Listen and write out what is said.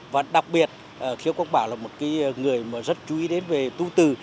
và đặc biệt khiếu quốc bảo là một người rất chú ý đến về tu tử